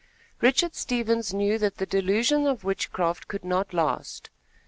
Richard Stevens knew that the delusion of witchcraft could not last.